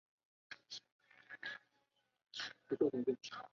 秃剌之子为越王阿剌忒纳失里。